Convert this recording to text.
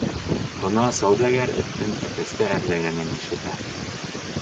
Бына сауҙагәр эттең әтәсте әрләгәнен ишетә: